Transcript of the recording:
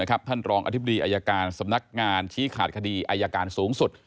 ท่านรองอธิบดีอายการสำนักงานชี้ขาดคดีอายการสูงสุด